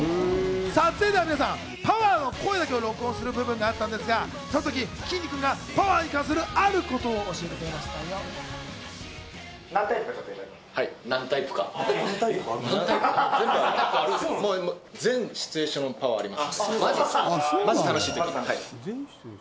撮影では皆さん、「パワー！」の声だけを録音する部分があったんですがそのとき、きんに君が「パワー！」に関するあることを教えてくれたんです。